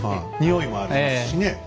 匂いもありますしね。